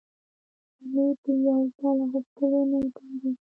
جامې په یو ځل اغوستلو نه تنګیږي.